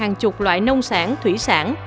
một loại nông sản thủy sản